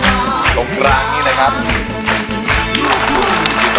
สวัสดีครับสวัสดีครับสวัสดีครับ